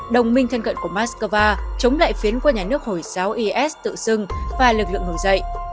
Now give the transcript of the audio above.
đồng minh thân cận của moscow chống lại phiến của nhà nước hồi giáo is tự dưng và lực lượng ngồi dậy